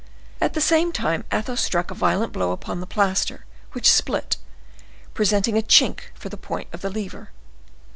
At the same time Athos struck a violent blow upon the plaster, which split, presenting a chink for the point of the lever.